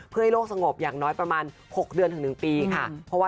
เพื่อให้โลกสงบอย่างน้อยประมาณ๖เดือนถึง๑ปีค่ะ